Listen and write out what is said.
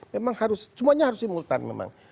memang harus semuanya harus simultan memang